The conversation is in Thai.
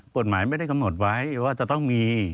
กฎหมายไม่ได้กำหนดไว้ว่าจะต้องมี